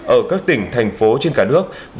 ở các tỉnh thành phố trên cả nước